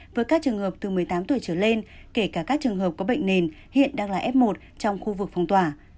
với các trường hợp từ một mươi tám tuổi trở lên kể cả các trường hợp có bệnh nền hiện đang là f một trong khu vực phong tỏa